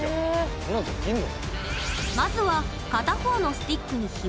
こんなのできんの？